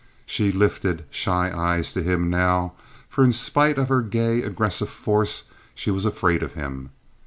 She lifted shy eyes to him now, for, in spite of her gay, aggressive force, she was afraid of him.